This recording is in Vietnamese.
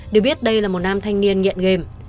được biết đây là một nam thanh niên nghiện game